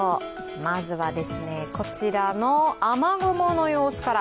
まずは、こちらの雨雲の様子から。